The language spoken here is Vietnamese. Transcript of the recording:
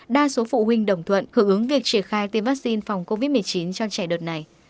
đa số phụ huynh đồng thuận hưởng ứng việc triển khai tiêm vaccine phòng covid một mươi chín cho trẻ đợt này